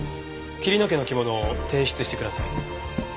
桐野家の着物を提出してください。